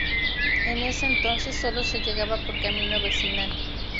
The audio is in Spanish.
En ese entonces solo se llegaba por camino vecinal.